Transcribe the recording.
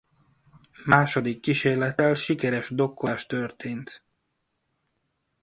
Második kísérlettel sikeres dokkolás történt.